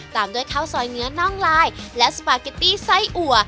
ตามด้วยข้าวซอยเนื้อน่องลายและสปาเกตตี้ไส้อัว